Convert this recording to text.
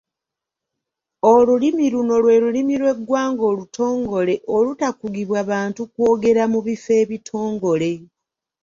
Olulimi luno lwe lulimi lw'eggwanga olutongole olutakugibwa bantu kwogerwa mu bifo ebitongole.